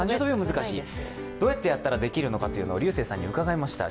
どうやってやったらできるのかをリュウセイさんに伺いました。